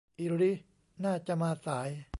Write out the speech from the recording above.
อิริน่าจะมาสาย